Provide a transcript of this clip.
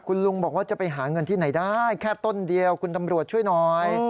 คุณลุงบอกว่าจะไปหาเงินที่ไหนได้แค่ต้นเดียวคุณตำรวจช่วยหน่อย